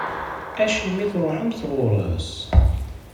Acimi i truḥemt ɣur-s.